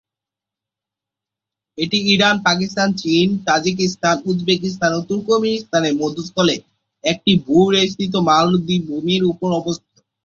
এটি ইরান, পাকিস্তান, চীন, Tajikistan, Uzbekistan, ও তুর্কমেনিস্তানের মধ্যস্থলে একটি ভূ-বেষ্টিত মালভূমির উপর অবস্থিত।